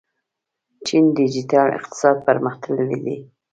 چین ډیجیټل اقتصاد پرمختللی دی.